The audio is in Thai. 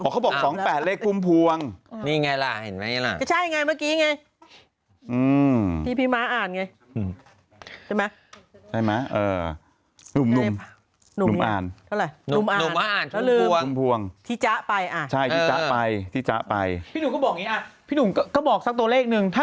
คุณหนุ่มนี่ใจร้ายมากเห็นหลายงวดนะ